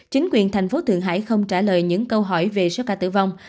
chính quyền thành phố thượng hải không trả lời những câu hỏi về số ca tử vong